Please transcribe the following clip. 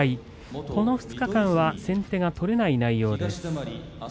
この２日間は先手が取れない内容です。